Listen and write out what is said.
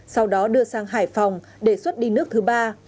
sau đó đưa sang hải phòng để xuất đi nước thứ ba